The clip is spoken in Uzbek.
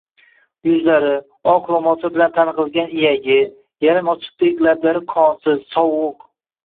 Yuzlari, oq ro`molcha bilan tang`ilgan iyagi, yarim ochiqdek lablari qonsiz, sovuq